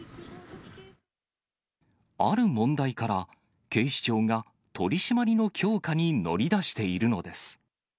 ある問題から、警視庁が取締りの強化に乗り出しているのです。